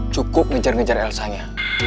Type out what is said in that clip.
cukup ngejar ngejar elsanya